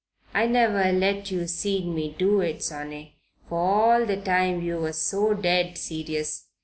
I never let yer seen me do it, sonny, for all the time you was so dead serious.